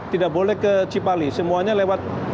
tidak boleh ke cipali semuanya lewat